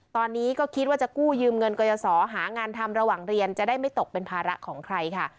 ตอนนี้ก็คิดว่าจะกู้ยืมเงินกยศหางานทำระหว่างเรียนจะได้ไม่ตกเป็นภาระของใครค่ะ